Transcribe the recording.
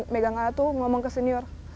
megang alat itu ngomong ke senior